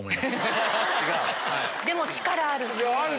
でも力あるし。